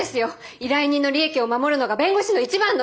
依頼人の利益を守るのが弁護士の一番の。